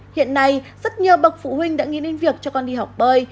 hiện nay rất nhiều bậc phụ huynh đã nghiên định việc cho con đi học bơi